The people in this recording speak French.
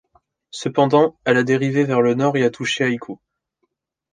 Cependant, elle a dérivé vers le nord et a touché Haikou.